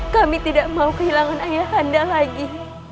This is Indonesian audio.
kami tidak mau kehilangan ayah anda lagi